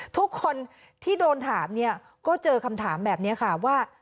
ทุกคนที่โดนถามเนี่ยก็เจอคำถามแบบนี้ค่ะว่า